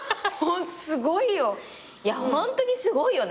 すごいよ。